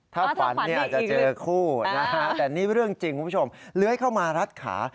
ถ้าฝันเนี่ยจะเจอคู่นะฮะแต่นี่เรื่องจริงคุณผู้ชมเลื้อยเข้ามารัดขา